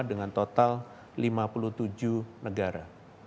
dengan total lima puluh tujuh negara